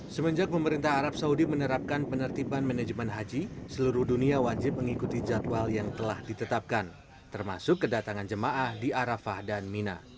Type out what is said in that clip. semenjak pemerintah arab saudi menerapkan penertiban manajemen haji seluruh dunia wajib mengikuti jadwal yang telah ditetapkan termasuk kedatangan jemaah di arafah dan mina